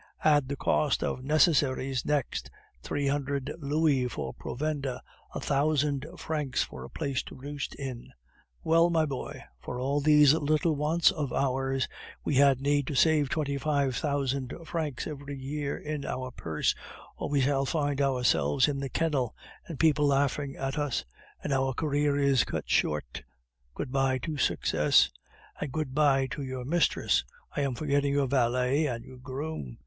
Add the cost of necessaries next; three hundred louis for provender, a thousand francs for a place to roost in. Well, my boy, for all these little wants of ours we had need to have twenty five thousand francs every year in our purse, or we shall find ourselves in the kennel, and people laughing at us, and our career is cut short, good bye to success, and good bye to your mistress! I am forgetting your valet and your groom!